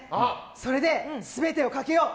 それで、全てをかけよう！